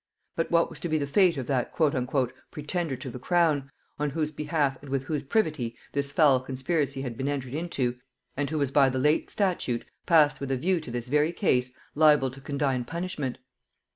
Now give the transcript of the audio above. But what was to be the fate of that "pretender to the crown," on whose behalf and with whose privity this foul conspiracy had been entered into, and who was by the late statute, passed with a view to this very case, liable to condign punishment?